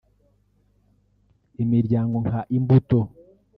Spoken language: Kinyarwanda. Imiryango nka Imbuto